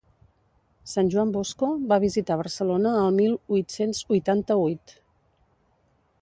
Sant Joan Bosco va visitar Barcelona al mil huit-cents huitanta-huit.